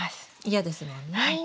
嫌ですもんね。